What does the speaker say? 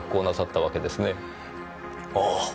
ああ。